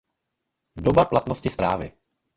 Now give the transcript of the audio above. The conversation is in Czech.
Doba platnosti zprávy.